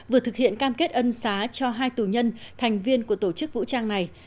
vừa thực hiện cam kết ân xá cho hai tù nhân thành viên của tổ chức vũ trang này